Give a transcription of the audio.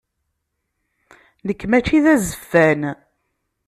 Nekk mačči d azeffan.